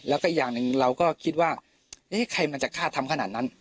แล้วก็อีกอย่างหนึ่งเราก็คิดว่าเอ๊ะใครมันจะฆ่าทำขนาดนั้น